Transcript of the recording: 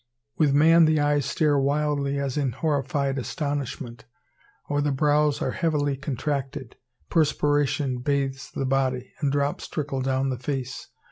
With man the eyes stare wildly as in horrified astonishment, or the brows are heavily contracted. Perspiration bathes the body, and drops trickle down the face.